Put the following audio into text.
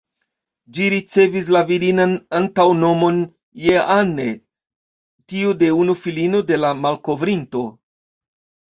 Ĝi ricevis la virinan antaŭnomon ""Jeanne"", tiu de unu filino de la malkovrinto.